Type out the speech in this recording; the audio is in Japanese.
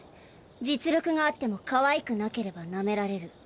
実力があってもかわいくなければなめられる。